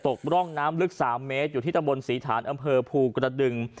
ร่องน้ำลึก๓เมตรอยู่ที่ตะบนศรีฐานอำเภอภูกระดึง